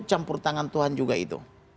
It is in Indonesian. campur tangan tuhan juga itu